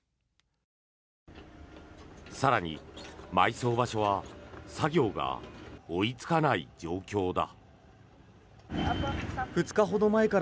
更に、埋葬場所は作業が追いつかない状況だ。